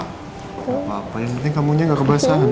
gapapa yang penting kamu gak kebasahan